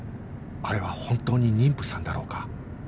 あれは本当に妊婦さんだろうか？